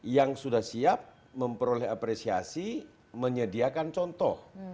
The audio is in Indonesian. yang sudah siap memperoleh apresiasi menyediakan contoh